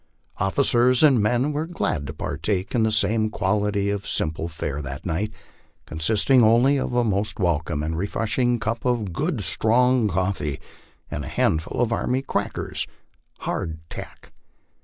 Officers and men were glad to partake of the same quality of simple fare that night, consisting only of a most welcome and refreshing cup of good strong coffee and a handful of army crackers "hard tack."